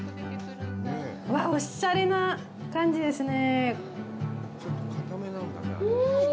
おっしゃれな感じですね。